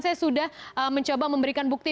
saya sudah mencoba memberikan bukti